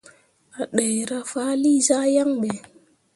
A ɗeera faali zah yaŋ ɓe.